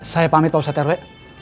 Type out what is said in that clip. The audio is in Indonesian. saya pamit pak ustad terwe